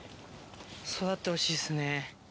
育ってほしいですね。